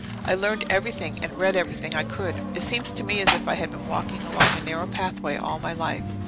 I learned everything and read everything I could. It seems to me as if I had been walking along a narrow pathway all my life.